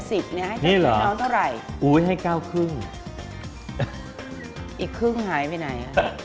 นี่เหรออุ๊ยให้๙๕อีกครึ่งหายไปไหน